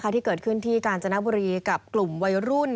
ที่เกิดขึ้นที่กาญจนบุรีกับกลุ่มวัยรุ่น